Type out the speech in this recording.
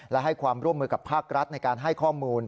และให้ความร่วมมือกับภาครัฐในการให้ข้อมูล